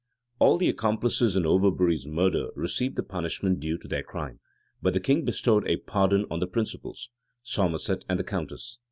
All the accomplices in Overbury's murder received the punishment due to their crime: but the king bestowed a pardon on the principals, Somerset and the countess.